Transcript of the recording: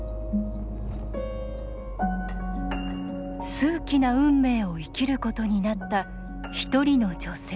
数奇な運命を生きることになった１人の女性。